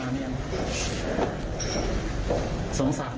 ทำอย่างนี้อ่ะพูดอะไร